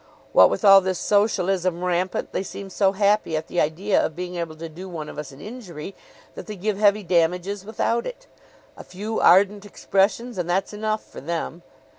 What with all this socialism rampant, they seem so happy at the idea of being able to do one of us an injury that they give heavy damages without it. A few ardent expressions, and that's enough for them.